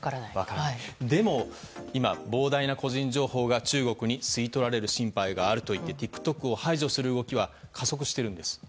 でも、今、膨大な個人情報が中国に吸い取られる心配があるといってＴｉｋＴｏｋを排除する動きは加速しているんです。